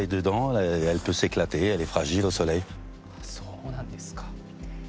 そうなんですね。